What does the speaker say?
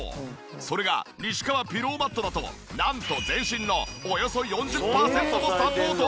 それが西川ピローマットだとなんと全身のおよそ４０パーセントもサポート！